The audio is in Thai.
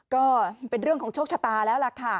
ก็เป็นเรื่องของโชคชะตาแล้วล่ะค่ะ